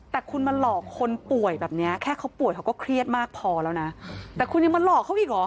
แต่คุณมาหลอกคนป่วยแบบเนี้ยแค่เขาป่วยเขาก็เครียดมากพอแล้วนะแต่คุณยังมาหลอกเขาอีกเหรอ